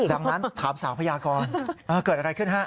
ดังนั้นถามสาวพยากรเกิดอะไรขึ้นฮะ